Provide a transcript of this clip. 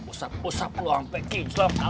gak boleh sinar